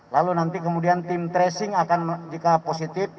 lalu nanti kemudian tim tracing akan jika positif